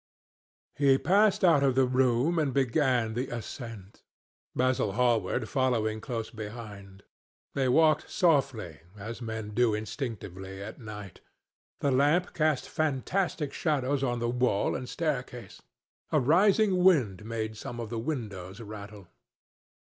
He passed out of the room and began the ascent, Basil Hallward following close behind. They walked softly, as men do instinctively at night. The lamp cast fantastic shadows on the wall and staircase. A rising wind made some of the windows rattle.